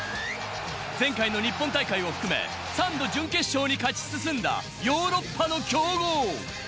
前回の日本大会を含め、３度準決勝に勝ち進んだヨーロッパの強豪。